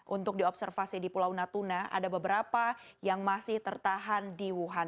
untuk diobservasi di pulau natuna ada beberapa yang masih tertahan di wuhan